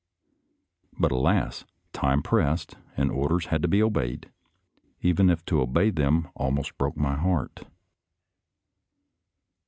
But, alas, time pressed and orders had to be obeyed, even if to obey them almost broke my heart.